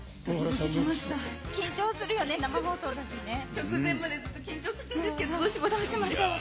直前までずっと緊張してたんですけど、どうしましょうって。